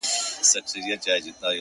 بيا خپه يم مرور دي اموخته کړم ـ